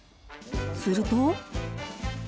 すると。